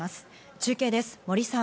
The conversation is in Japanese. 中継です、森さん。